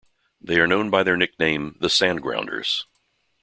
They are known by their nickname "the Sandgrounders".